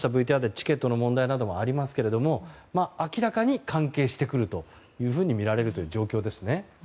チケットの問題などもありますが明らかに関係してくるとみられるという状況ですね。